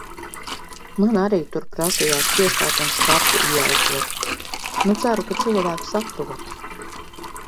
Man arī tur prasījās piestāt un skatu ieelpot. Nu ceru, ka cilvēki saprot.